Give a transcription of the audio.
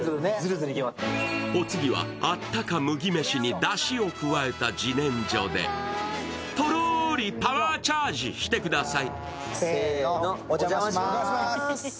お次はあったか麦飯にだしを加えたじねんじょでとろり、パワーチャージしてください。